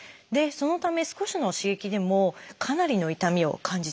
そのため少しの刺激でもかなりの痛みを感じてしまいます。